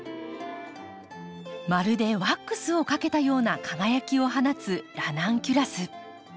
まるでワックスをかけたような輝きを放つラナンキュラス。